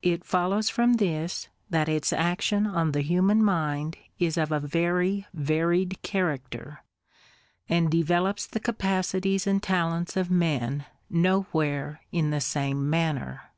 It follows from this, that its action on the human mind is of a very varied character, and developes the capacities and talents of men nowhere in the same manner.